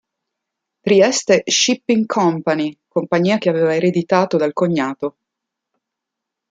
Trieste Shipping-Company", compagnia che aveva ereditato dal cognato.